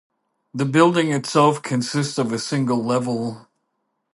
The building itself consists of a single level.